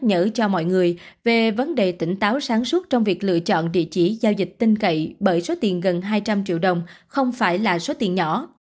nhắc nhở cho mọi người về vấn đề tỉnh táo sáng suốt trong việc lựa chọn địa chỉ giao dịch tinh cậy bởi số tiền gần hai trăm linh triệu đồng không phải là số tiền nhỏ